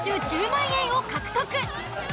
１０万円を獲得。